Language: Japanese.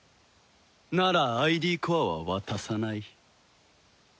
ならＩＤコアは渡さない。